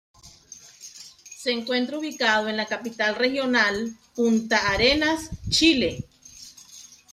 Se encuentra ubicado en la capital regional, Punta Arenas, Chile.